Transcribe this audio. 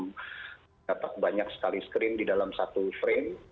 karena ini film dapat banyak sekali screen didalam satu frame